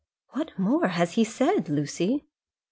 "What more has he said, Lucy?"